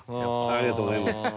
ありがとうございます。